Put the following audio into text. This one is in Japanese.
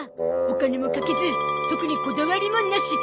お金もかけず特にこだわりもなしと。